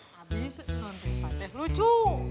habis non tepat deh lucu